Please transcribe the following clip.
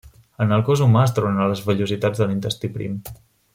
En el cos humà es troben a les vellositats de l'intestí prim.